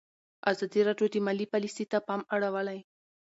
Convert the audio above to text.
ازادي راډیو د مالي پالیسي ته پام اړولی.